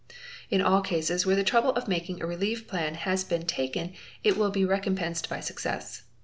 In all cases where the trouble of making a relief plan has been taken it will be recompensed by success.